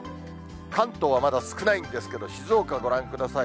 関東はまだ少ないんですけど、静岡ご覧ください。